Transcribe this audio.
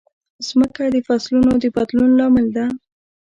مځکه د فصلونو د بدلون لامل ده.